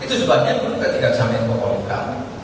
itu sebabnya ketiga kesamain pokok luka